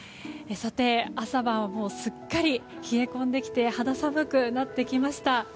朝晩はすっかり冷え込んできて肌寒くなってきました。